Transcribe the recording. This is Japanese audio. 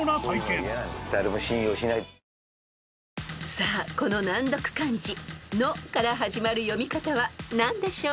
［さあこの難読漢字「の」から始まる読み方は何でしょう？］